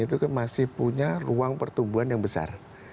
jadi kita masih punya ruang pertumbuhan yang besar